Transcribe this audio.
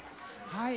はい。